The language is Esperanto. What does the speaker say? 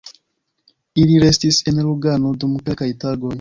Ili restis en Lugano dum kelkaj tagoj.